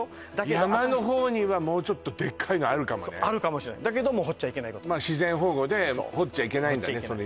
山の方にはもうちょっとでっかいのあるかもねあるかもしれないだけども掘っちゃいけない自然保護で掘っちゃいけないんだね